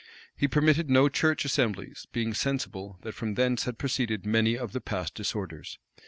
He permitted no church assemblies; being sensible that from thence had proceeded many of the past disorders.